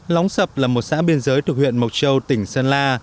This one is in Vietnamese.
lóng sập là một xã biên giới thuộc huyện mộc châu tỉnh sơn la